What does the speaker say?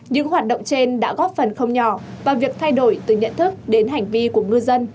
những hoạt động trên đã góp phần không nhỏ vào việc thay đổi từ nhận thức đến hành vi của ngư dân